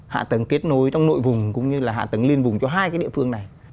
hạ tầng kết nối trong nội vùng cũng như là hạ tầng liên vùng cho hai cái địa phương này